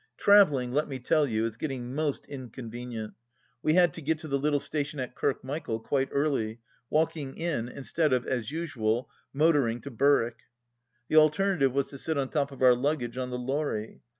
Travelling, let me tell you, is getting most inconvenient. We had to get to the little station at Kirkmichael quite early, walking in, instead of, as usual, motoring to Berwick. The alternative was to sit on top of our luggage on the lorry.